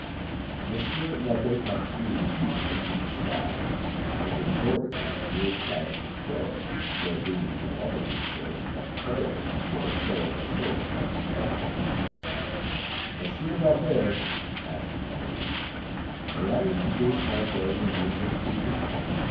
Monsieur l'Abbé Patouille heaved a deep sigh, and exhorted his dear child to pray, there being no other resource but prayer for a soul assailed by the Devil. "Monsieur l'Abbé," asked Maurice, "may I introduce my guardian angel to you?